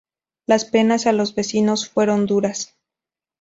Las penas a los vencidos fueron duras.